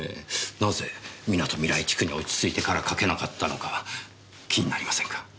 なぜみなとみらい地区に落ち着いてからかけなかったのか気になりませんか？